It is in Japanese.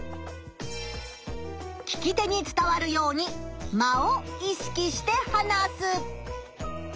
聞き手に伝わるように間を意識して話す。